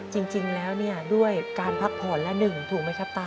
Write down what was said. จริงแล้วด้วยการพักผ่อนละ๑ถูกไหมครับตา